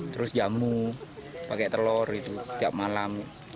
terus jamu pakai telur gitu setiap malam